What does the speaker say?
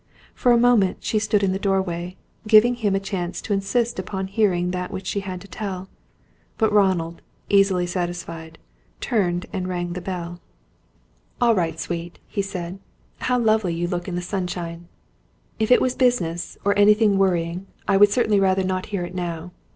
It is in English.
For a moment she stood in the doorway, giving him a chance to insist upon hearing that which she had to tell. But Ronald, easily satisfied, turned and rang the bell. "All right, sweet," he said. "How lovely you look in the sunshine! If it was business, or anything worrying, I would certainly rather not hear it now.